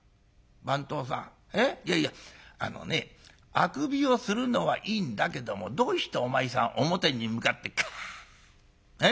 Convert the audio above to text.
あくびをするのはいいんだけどもどうしてお前さん表に向かってカッ！